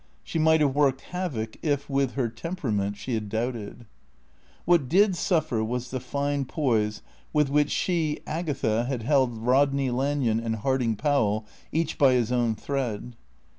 She might have worked havoc if, with her temperament, she had doubted. What did suffer was the fine poise with which she, Agatha, had held Rodney Lanyon and Harding Powell each by his own thread.